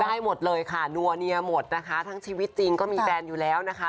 ได้หมดเลยค่ะนัวเนียหมดนะคะทั้งชีวิตจริงก็มีแฟนอยู่แล้วนะคะ